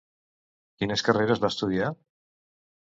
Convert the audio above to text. Quines carreres va estudiar?